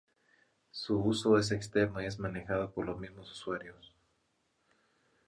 Su uso es externo y es manejada por los mismos usuarios.